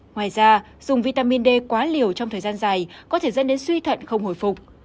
ngoài ra dùng vitamin d quá liều trong thời gian dài có thể dẫn đến suy thận không hồi phục